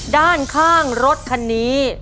ด้านข้างรถคันนี้นะครับ